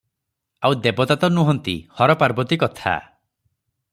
ଆଉ ଦେବତା ତ ନୁହନ୍ତି; ହର ପାର୍ବତୀ କଥା ।